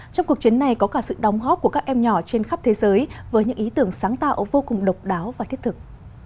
trong cuộc chiến này có cả sự đóng góp của các em nhỏ trên khắp thế giới với những ý tưởng sáng tạo vô cùng độc đáo và thiết thực